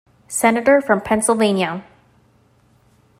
Senator from Pennsylvania.